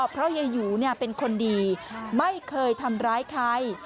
เพราะยายหยูเป็นคนดีไม่เคยทำร้ายใคร